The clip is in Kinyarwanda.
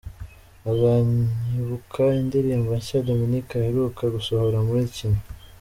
Azanyibuka, indirimbo nshya Dominic aheruka gusohorera muri Kina :.